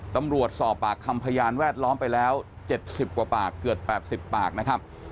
สอบปากคำพยานแวดล้อมไปแล้ว๗๐กว่าปากเกือบ๘๐ปากนะครับ